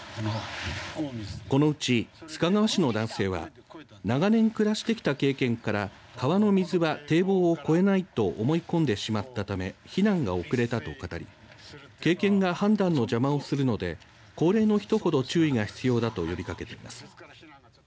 このうち、須賀川市の男性は長年暮らしてきた経験から川の水は堤防を越えないと思い込んでしまったため避難が遅れたと語り経験が判断の邪魔をするので高齢の人ほど注意が必要だと呼びかけています。